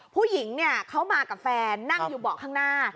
ผู้หญิงเนี่ยเขามากับแฟนนั่งอยู่เบาะข้างหน้า